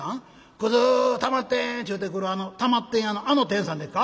『くずたまってん』ちゅうてくるあのたまってん屋のあの天さんでっか？